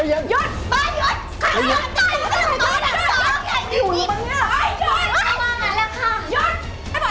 ถ้ายังเป็นเซเหาต์ตีกัน